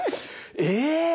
え。